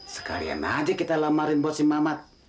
sekalian aja kita lamarin buat si mamat